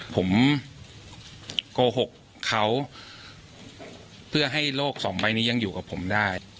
ผมโกหกเขาเพื่อให้โลกสองใบนี้ยังอยู่กับผมได้